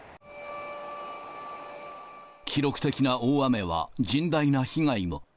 記録的な大雨は、甚大な被害も。